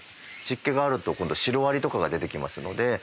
湿気があると今度はシロアリとかが出てきますので。